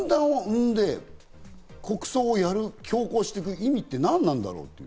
分断を生んで、国葬やる、強行していく意味って何なんだろうって。